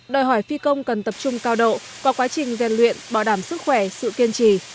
đòi hỏi phi công cần tập trung cao độ vào quá trình gian luyện bảo đảm sức khỏe sự kiên trì